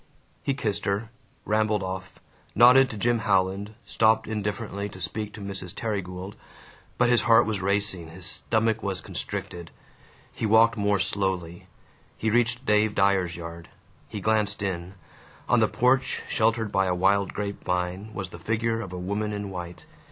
He kissed her, rambled off, nodded to Jim Howland, stopped indifferently to speak to Mrs. Terry Gould. But his heart was racing, his stomach was constricted. He walked more slowly. He reached Dave Dyer's yard. He glanced in. On the porch, sheltered by a wild grape vine, was the figure of a woman in white.